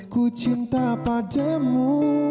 ku cinta padamu